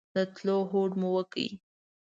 د تلو هوډ مو وکړ.